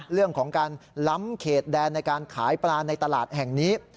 เรื่องของการล้ำเขตแดนในการขายปลาในตลาดแห่งนี้